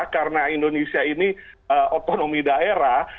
karena indonesia ini otonomi daerah